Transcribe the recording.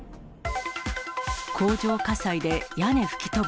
工場火災で屋根吹き飛ぶ。